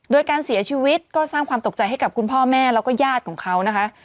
โดยการเสียชีวิตก็สร้างความตกใจให้กับคุณพ่อแม่แล้วก็ญาติของเขานะคะ